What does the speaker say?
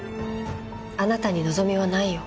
あなたに望みはないよ。